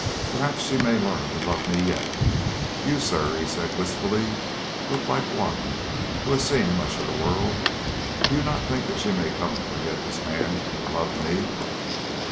Perhaps she may learn to love me yet. You, sir," he said wistfully, "look like one who has seen much of the world. Do you not think that she may come to forget this man and to love me?"